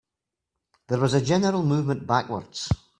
There was a general movement backwards.